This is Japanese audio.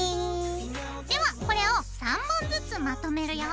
ではこれを３本ずつまとめるよ。